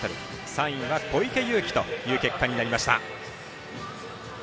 ３位は小池祐貴という結果になりました。